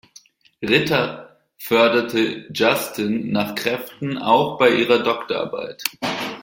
Ritter förderte Justin nach Kräften auch bei ihrer Doktorarbeit.